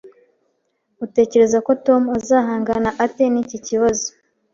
Utekereza ko Tom azahangana ate n'iki kibazo?